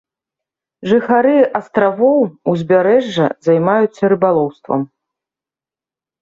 Жыхары астравоў, узбярэжжа займаюцца рыбалоўствам.